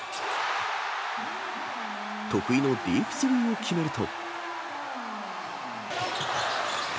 得意のディープスリーを決めると。